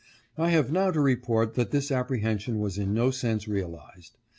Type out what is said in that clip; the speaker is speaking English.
I have now to report that this appre hension was in no sense realized.